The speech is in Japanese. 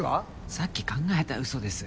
さっき考えたうそです。